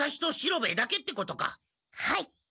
はい。